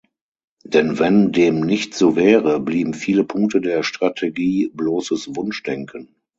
Denn wenn dem nicht so wäre, blieben viele Punkte der Strategie bloßes Wunschdenken.